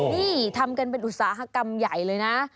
นี่ทำกันเป็นอุตสาหกรรมใหญ่เลยนะ